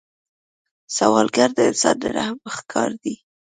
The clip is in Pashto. سوالګر د انسان د رحم ښکار دی